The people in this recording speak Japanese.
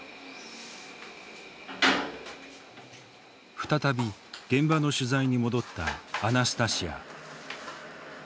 再び現場の取材に戻ったアナスタシヤ。